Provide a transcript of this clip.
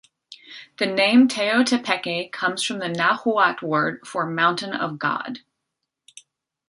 The name Teotepeque comes from the Nahuat word for Mountain of God.